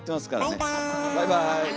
バイバイ。